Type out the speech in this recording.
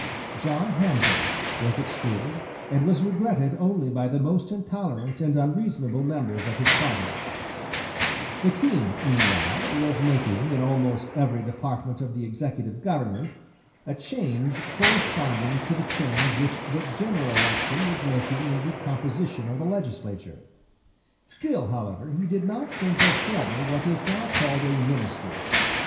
John Hampden was excluded, and was regretted only by the most intolerant and unreasonable members of his party, The King meanwhile was making, in almost every department of the executive government, a change corresponding to the change which the general election was making in the composition of the legislature. Still, however, he did not think of forming what is now called a ministry.